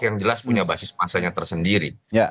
yang jelas punya basis masanya tersendiri